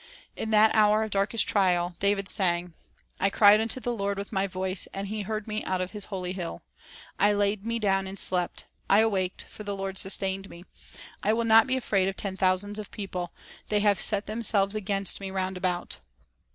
In that hour of darkest trial, David sang: —" T cried unto the Lord with my voice, And He heard me out of His holy hill. " I laid me down and slept ; I awaked ; for the Lord sustained me. I will not be afraid of ten thousands of people, That have set themselves against me round about."